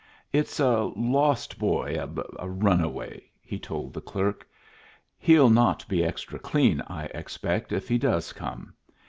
"It's a lost boy a runaway," he told the clerk. "He'll not be extra clean, I expect, if he does come.